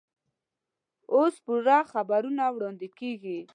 اوس پوره خبرونه واړندې کېږي.